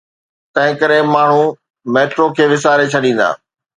تنهنڪري ماڻهو ميٽرو کي وساري ڇڏيندا.